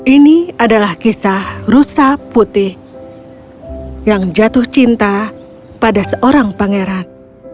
ini adalah kisah rusa putih yang jatuh cinta pada seorang pangeran